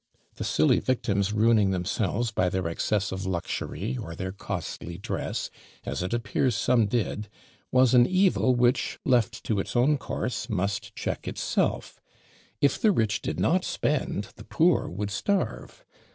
The silly victims ruining themselves by their excessive luxury, or their costly dress, as it appears some did, was an evil which, left to its own course, must check itself; if the rich did not spend, the poor would starve.